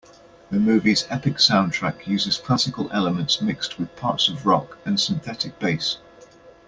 The movie's epic soundtrack uses classical elements mixed with parts of rock and synthetic bass.